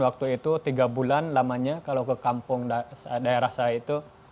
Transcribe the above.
waktu itu tiga bulan lamanya kalau ke kampung daerah saya itu